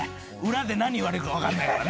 裏で何言われるか分かんない。